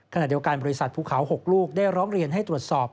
ขณะเดียวกันบริษัทภูเขา๖ลูกได้ร้องเรียนให้ตรวจสอบ